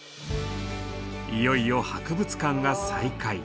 いよいよ博物館が再開。